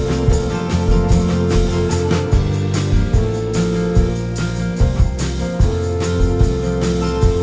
โปรดติดตามต่อไป